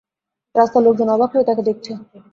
রাস্তার লোকজন অবাক হয়ে তাঁকে দেখছে।